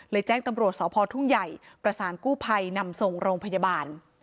แจ้งตำรวจสพทุ่งใหญ่ประสานกู้ภัยนำส่งโรงพยาบาล